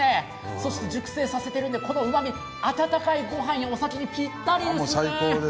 そして熟成させているんで、このうまみ、温かいご飯やお酒にぴったりですね。